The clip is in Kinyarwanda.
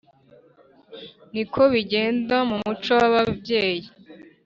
niko bigenda mu muco w’ababyeyi